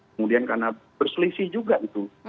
kemudian karena berselisih juga gitu